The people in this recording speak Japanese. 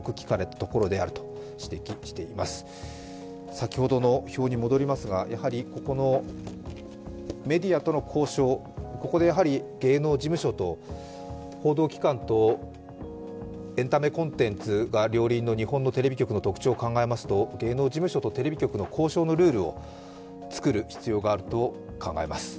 先ほどの表に戻りますがやはりメディアとの交渉、ここでやはり芸能事務所と報道機関とエンタメコンテンツが両輪の日本のテレビ局の特徴を考えますと芸能事務所とテレビ局の交渉のルールを作る必要があると考えます。